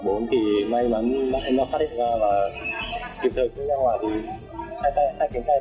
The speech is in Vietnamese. cứu nạn hoài thì có một bạn ở đi mắc kẹt thì may mắn em đã phát hiện ra và kịp thời cứu nạn hoài thì may mắn em đã phát hiện ra và kịp thời cứu nạn hoài thì